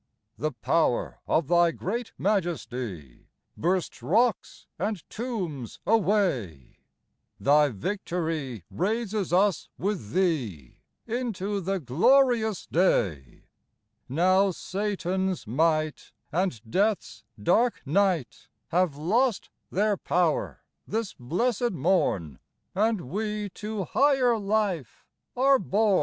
The power of Thy great majesty Bursts rocks and tombs away ; Thy victory raises us with Thee Into the glorious day ; Now Satan's might And death's dark night Have lost their power this blessed morn, And we to higher life are born.